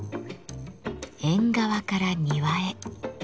「縁側から庭へ」。